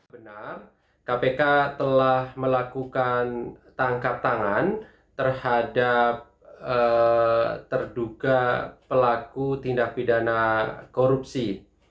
benar kpk telah melakukan tangkap tangan terhadap terduga pelaku tindak pidana korupsi